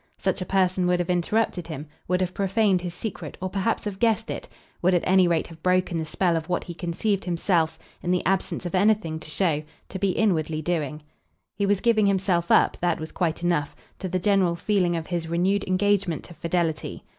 Such a person would have interrupted him, would have profaned his secret or perhaps have guessed it; would at any rate have broken the spell of what he conceived himself in the absence of anything "to show" to be inwardly doing. He was giving himself up that was quite enough to the general feeling of his renewed engagement to fidelity.